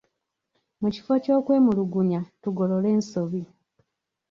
Mu kifo ky'okwemulugunya, tugolole ensobi.